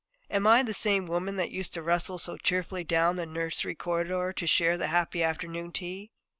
Am I the same woman that used to rustle so cheerfully down the nursery corridor to share that happy afternoon tea?